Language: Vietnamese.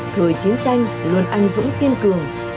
thời chiến tranh luôn anh dũng kiên cường